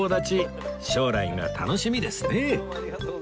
将来が楽しみですね